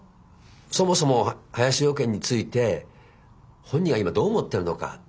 そもそも林養賢について本人は今どう思ってるのか。